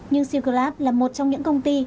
nhưng sugar lab là một trong những công ty